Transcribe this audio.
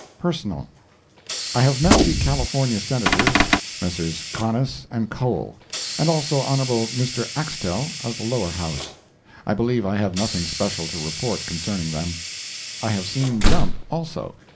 Personal. I have met the California Senators, Messrs. Conness and Cole, and also Hon. Mr. Axtell, of the Lower House. I believe I have nothing special to report concerning them. I have seen Jump, also.